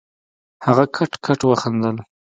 هغه کټ کټ وخندل.